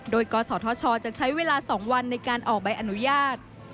โดยกศธชจะใช้เวลา๒วันในการออกใบอนุญาต